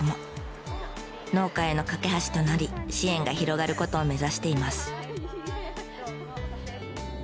農家への架け橋となり支援が広がる事を目指しています。